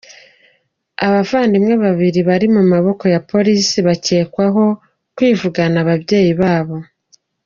Abavandimwe babiri bari mu maboko ya Polisi bakekwaho kwivugana ababyeyi babo